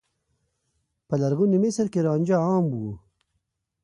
په لرغوني مصر کې رانجه عام و.